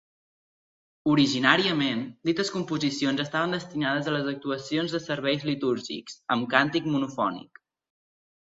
Originàriament, dites composicions estaven destinades a les actuacions de serveis litúrgics, amb càntic monofònic.